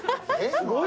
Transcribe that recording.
すごい。